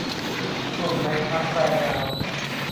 กลุ่มในพรรคแรงงาน